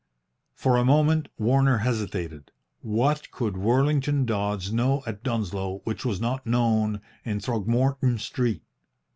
For a moment Warner hesitated. What could Worlington Dodds know at Dunsloe which was not known in Throgmorton Street?